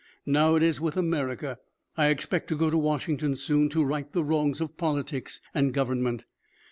Now it is with America. I expect to go to Washington soon to right the wrongs of politics and government.